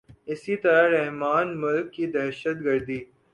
اسی طرح رحمان ملک کی دہشت گردی